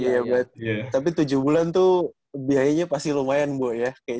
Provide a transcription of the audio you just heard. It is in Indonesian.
yeah but tapi tujuh bulan tuh biayanya pasti lumayan bu ya kayaknya